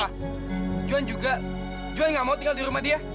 papa juan juga juan gak mau tinggal di rumah dia